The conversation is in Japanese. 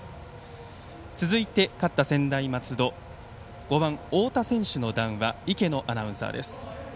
続いて、勝った専大松戸５番、太田選手の談話、池野アナウンサーです。